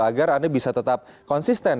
agar anda bisa tetap konsisten